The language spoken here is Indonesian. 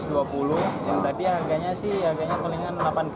yang tadi harganya sih harganya palingan delapan puluh